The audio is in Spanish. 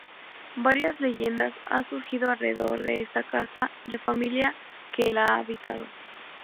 Varias leyendas han surgido alrededor de esta casa y la familia que la habitó.